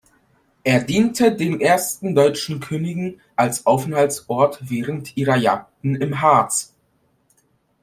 Er diente den ersten deutschen Königen als Aufenthaltsort während ihrer Jagden im Harz.